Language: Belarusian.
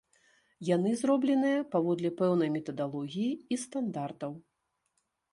Яны зробленыя паводле пэўнай метадалогіі і стандартаў.